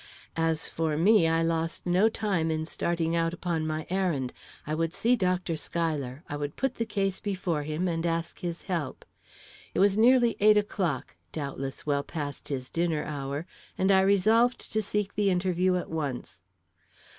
As for me, I lost no time in starting out upon my errand. I would see Dr. Schuyler I would put the case before him, and ask his help. It was nearly eight o'clock, doubtless well past his dinner hour, and I resolved to seek the interview at once.